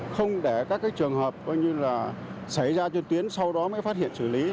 không để các trường hợp xảy ra trên tuyến sau đó mới phát hiện xử lý